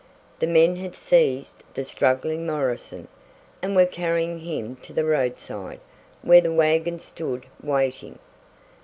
The men had seized the struggling Morrison, and were carrying him to the roadside, where the wagon stood waiting.